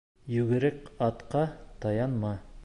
Йүгерек атҡа таянма.